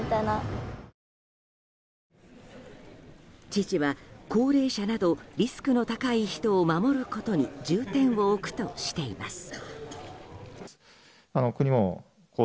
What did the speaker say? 知事は、高齢者などリスクの高い人を守ることに重点を置くとしています。